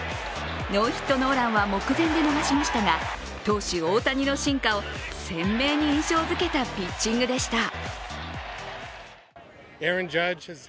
ノーヒットノーランは目前で逃しましたが投手・大谷の進化を鮮明に印象づけたピッチングでした。